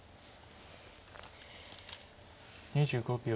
２５秒。